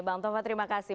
bang tova terima kasih